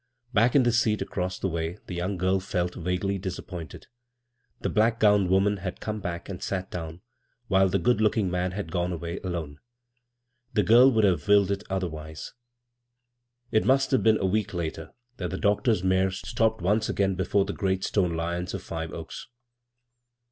Back in the seat across the way the young 76 b, Google CROSS CURRENTS gvl f^t vaguely disappointed : the black gowned woman had come back and sat down, while the good looking man had gone away alone. The girl would have willed it otherwise. It must have been a week later that the doctor's mare stopped once again before the great stone lions of Five Oaks.